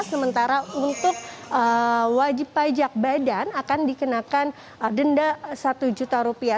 sementara untuk wajib pajak badan akan dikenakan denda satu juta rupiah